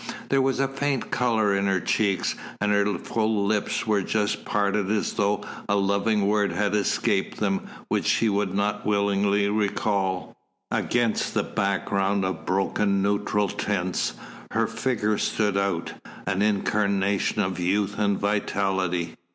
There was a faint colour in her cheeks, and her full lips were just parted as though a loving word had escaped them which she would not willingly recall. Against the background of broken neutral tints, her figure stood out, an incarnation of youth and vitality.